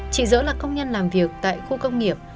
chị dỡ là công nhân làm việc tại khu công nghiệp